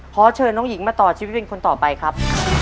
ขอเชิญน้องหญิงมาต่อชีวิตเป็นคนต่อไปครับ